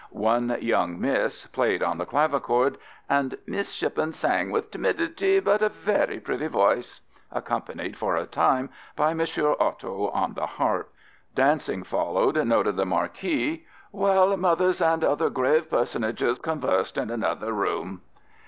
One young miss played on the clavichord, and "Miss Shippen sang with timidity but a very pretty voice," accompanied for a time by Monsieur Otto on the harp. Dancing followed, noted the Marquis, "while mothers and other grave personages conversed in another room."